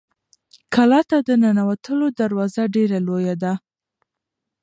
کلا ته د ننوتلو دروازه ډېره لویه ده.